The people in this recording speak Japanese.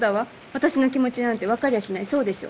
私の気持ちなんて分かりゃしないそうでしょ。